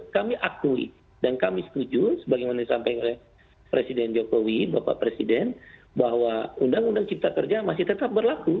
kami akui dan kami setuju sebagaimana disampaikan oleh presiden jokowi bapak presiden bahwa undang undang cipta kerja masih tetap berlaku